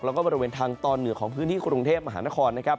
แล้วก็บริเวณทางตอนเหนือของพื้นที่กรุงเทพมหานครนะครับ